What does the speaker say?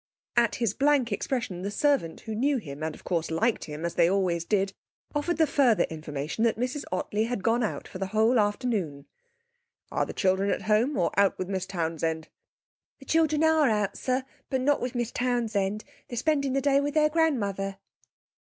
At his blank expression the servant, who knew him, and of course liked him, as they always did, offered the further information that Mrs Ottley had gone out for the whole afternoon. 'Are the children at home, or out with Miss Townsend?' 'The children are out, sir, but not with Miss Townsend. They are spending the day with their grandmother.'